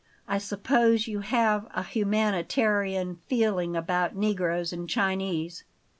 I suppose you have a humanitarian feeling about negroes and Chinese.